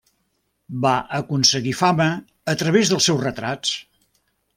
Va aconseguir fama a través dels seus retrats.